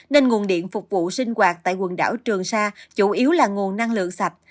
nên nguồn điện phục vụ sinh hoạt tại quần đảo trường sa chủ yếu là nguồn năng lượng sạch